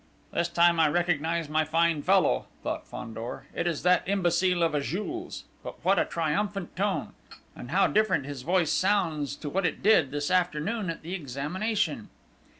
"This time I recognise my fine fellow!" thought Fandor. "It is that imbecile of a Jules. But what a triumphant tone! And how different his voice sounds to what it did, this afternoon, at the examination!"